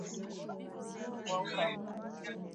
Watu wanaweza kuugua homa ya bonde la ufa kwa kula nyama mbichi